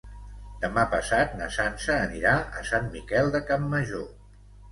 Demà passat na Sança anirà a Sant Miquel de Campmajor.